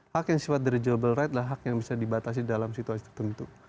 hak yang sifat derajable right adalah hak yang bisa dibatasi dalam situasi tertentu